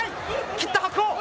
切った白鵬！